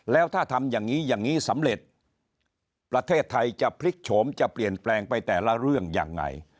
แล้วถ้าทำอย่างนี้อย่างนี้สำเร็จประเทศไทยจะพลิกโฉมจะเปลี่ยนแปลงไปแต่ละเรื่องยังไง